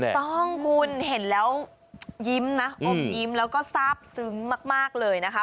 ถูกต้องคุณเห็นแล้วยิ้มนะอมยิ้มแล้วก็ทราบซึ้งมากเลยนะคะ